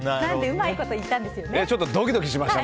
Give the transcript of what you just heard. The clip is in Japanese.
うまいこと言ったんですよね。